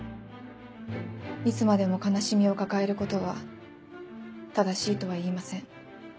いつまでも悲しみを抱えることは正しいとは言いません。